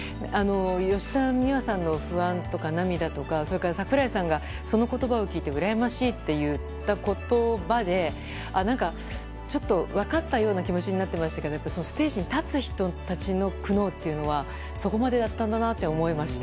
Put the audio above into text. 吉田美和さんの不安とか涙とかそれから櫻井さんがその言葉を聞いて羨ましいといった言葉で何かちょっと分かったような気持ちになってましたけどステージに立つ人たちの苦悩というのはそこまでだったんだなと思いました。